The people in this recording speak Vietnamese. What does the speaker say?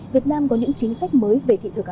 việt nam có những chính sách mới về thị thực